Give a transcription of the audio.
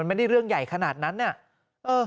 มันไม่ได้เรื่องใหญ่ขนาดนั้นเนี่ย